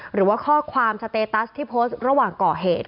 หรือว่าข้อความสเตตัสที่โพสต์ระหว่างก่อเหตุ